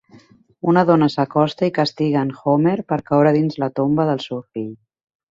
Una dona s'acosta i castiga en Homer per caure dins la tomba del seu fill.